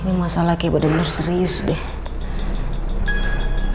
ini masalah kayak badan luar serius deh